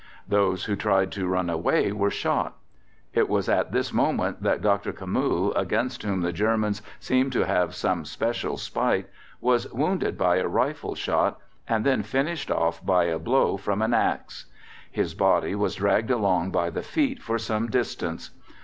Those who tried to run away were shot. It was at this moment that Dr. Camus, against whom the Germans seemed to have some special spite, was wounded by a rifle shot, and then finished off by a blow from an axe. His body was dragged along by the feet for some distance.